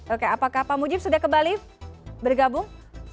oke apakah pak mujib sudah kembali bergabung